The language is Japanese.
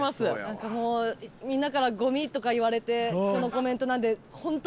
なんかもうみんなからゴミとか言われてこのコメントなんで。